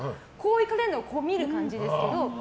行かれるのを見る感じですけど。